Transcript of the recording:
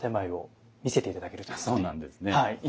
そうなんですね。